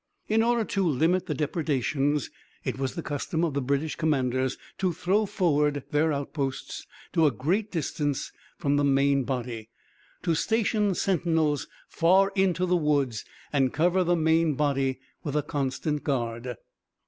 In order to limit the depredations it was the custom of the British commanders to throw forward their outposts to a great distance from the main body, to station sentinels far into the woods, and cover the main body with a constant guard.